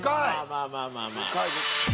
まあまあまあまあ。